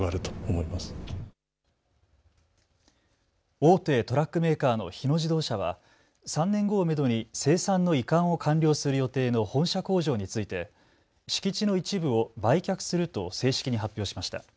大手トラックメーカーの日野自動車は３年後をめどに生産の移管を完了する予定の本社工場について敷地の一部を売却すると正式に発表しました。